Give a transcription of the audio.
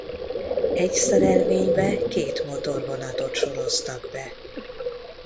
Egy szerelvénybe két motorvonatot soroztak be.